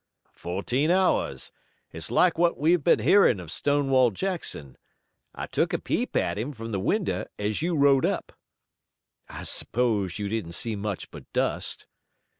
"Fourteen hours. It's like what we've been hearing of Stonewall Jackson. I took a peep at him from the window as you rode up." "I suppose you didn't see much but dust."